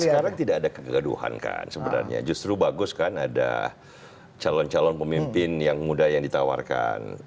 sekarang tidak ada kegaduhan kan sebenarnya justru bagus kan ada calon calon pemimpin yang muda yang ditawarkan